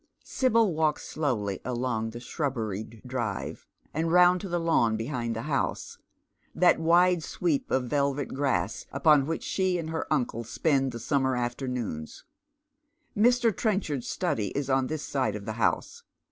103 Sibyl walks slowly along the shrubberied drive, and round to the lawn behind the house, that wide sweep of velvet grass upoa which she and her uncle spend the summer afternoons. Mt Trcnchard's study is on this side of the house.